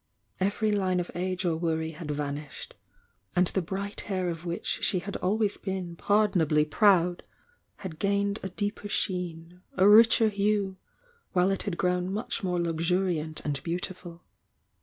Every hne d age or worry had vanished, and the bright hair of wl >ch she had always been pardonably proud, had gamed a deeper sheen, a richer hue, while it had grown much more luxuriant and beautiful.